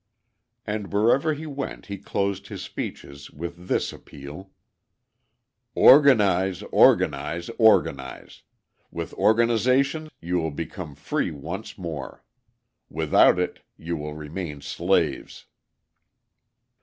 And everywhere he went he closed his speeches with this appeal: "Organise, organise, organise. With organisation you will become free once more. Without it, you will remain slaves."